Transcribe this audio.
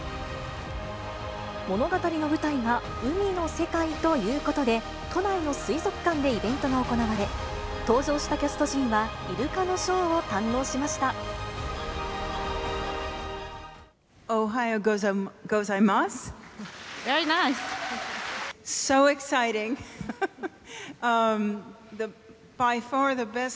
物語の舞台が海の世界ということで、都内の水族館でイベントが行われ、登場したキャスト陣はイルカのシおはようございます。